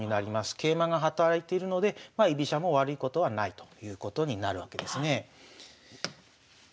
桂馬が働いているのでまあ居飛車も悪いことはないということになるわけですね。